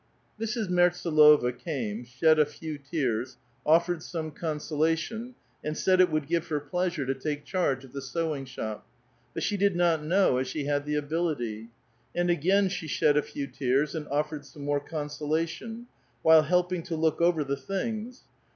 Mrs. Mertsdlova came, shed a few tears, offered some consolation, and said it would give her pleasure to take charge of the sewing shop, but she did not know as she had the ability ; and again she shed a few tears and offered some more consolation, while helping to look over the things.